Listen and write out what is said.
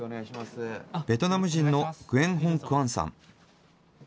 ベトナム人のグエン・ホン・クアンさん。